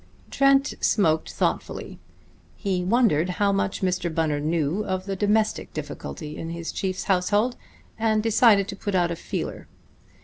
Trent smoked thoughtfully. He wondered how much Mr. Bunner knew of the domestic difficulty in his chief's household, and decided to put out a feeler.